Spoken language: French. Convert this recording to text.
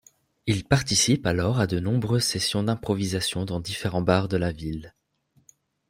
Il participe alors à de nombreuses sessions d’improvisations dans différents bars de la ville.